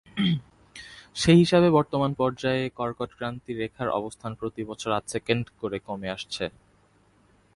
সেই হিসাবে বর্তমান পর্যায়ে কর্কটক্রান্তি রেখার অবস্থান প্রতি বছর আধ সেকেন্ড করে কমে আসছে।